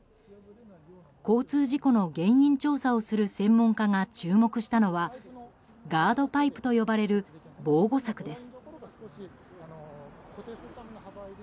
交通事故の原因調査をする専門家が注目したのはガードパイプと呼ばれる防護柵です。